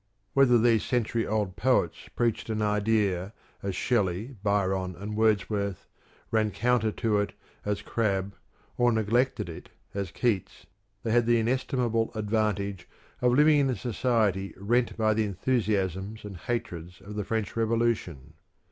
Whether these century old poets preached an idea as Shelley, Byron, and Wordsworth, ran counter to it, as Crabbe, or neglected it, as Keats, they had the in estimable advantage of living in a society rent by the enthusiasm and hatreds of the French Revolution.